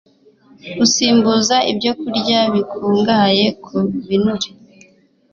Gusimbuza ibyokurya bikungahaye ku binure